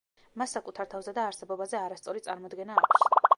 მას საკუთარ თავზე და არსებობაზე არასწორი წარმოდგენა აქვს.